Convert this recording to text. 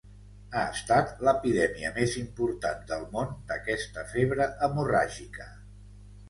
Ha estat l'epidèmia més important del món d'aquesta febre hemorràgica.